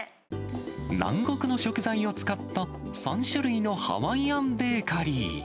南国の食材を使った３種類のハワイアンベーカリー。